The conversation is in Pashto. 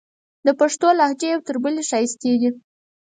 د پښتو لهجې یو تر بلې ښایستې دي.